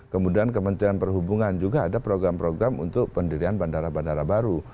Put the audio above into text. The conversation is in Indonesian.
kemudian kementerian perhubungan juga ada program program untuk pendirian bandara bandara baru